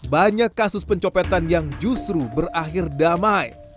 banyak kasus pencopetan yang justru berakhir damai